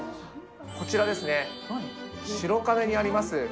こちらですね、白金にあります